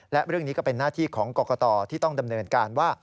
และเรื่องนี้ก็เป็นหน้าที่ของกรกตที่ต้องดำเนินการว่า